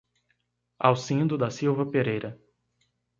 Alcindo da Silva Pereira